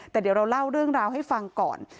แต่เดี๋ยวเราเล่าเรื่องราวให้ฟังก่อน